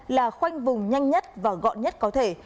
là khoanh vùng nhanh nhất và gọn nhất có thể